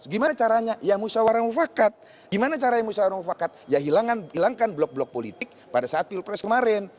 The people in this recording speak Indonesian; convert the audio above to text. gimana caranya ya musyawarah mufakat gimana caranya musyawarah mufakat ya hilangkan blok blok politik pada saat pilpres kemarin